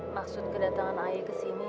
maksud kedatangan saya kesini